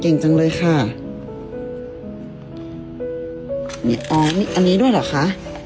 เก่งจังเลยอ๋อมีอันนี้ด้วยเหรอคะ